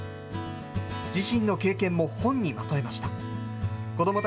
自身の経験も本にまとめました。